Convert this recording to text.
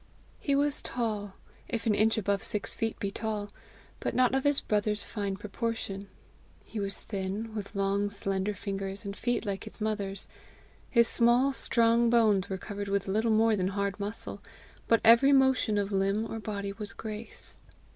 He was tall if an inch above six feet be tall, but not of his brother's fine proportion. He was thin, with long slender fingers and feet like his mother's. His small, strong bones were covered with little more than hard muscle, but every motion of limb or body was grace.